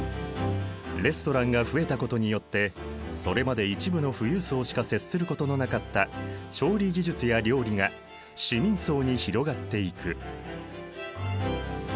レストランが増えたことによってそれまで一部の富裕層しか接することのなかった調理技術や料理が市民層に広がっていく。